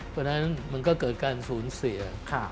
เพราะฉะนั้นมันก็เกิดการสูญเสีย